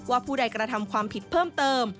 ผู้ใดกระทำความผิดเพิ่มเติม